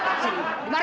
ya yang nyamar jadi kevin